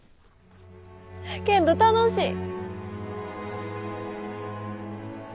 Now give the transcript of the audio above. けんど楽しい！